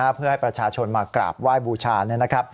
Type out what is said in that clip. เพื่อให้ประชาชนมากราบไหว้บูชา